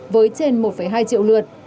với trên một hai triệu luật